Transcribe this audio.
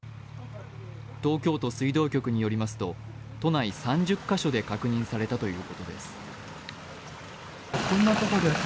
東京都水道局によりますと、都内３０カ所で確認されたということです。